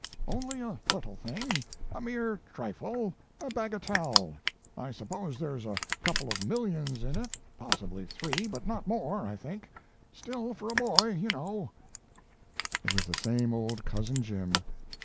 "Only a little thing a mere trifle a bagatelle. I suppose there's a couple of millions in it, possibly three, but not more, I think; still, for a boy, you know " It was the same old Cousin Jim.